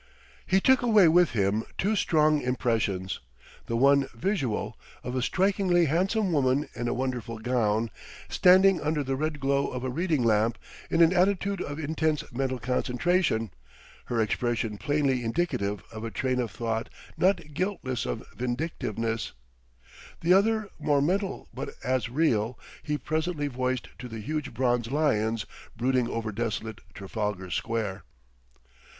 He took away with him two strong impressions; the one visual, of a strikingly handsome woman in a wonderful gown, standing under the red glow of a reading lamp, in an attitude of intense mental concentration, her expression plainly indicative of a train of thought not guiltless of vindictiveness; the other, more mental but as real, he presently voiced to the huge bronze lions brooding over desolate Trafalgar Square.